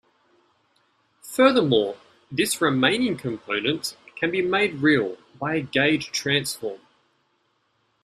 Furthermore, this remaining component can be made real by a gauge transform.